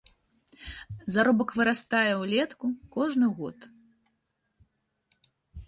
Заробак вырастае ўлетку кожны год.